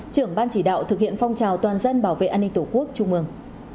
trưởng ban chỉ đạo thực hiện phong trào toàn dân bảo vệ an ninh tổ quốc trung mương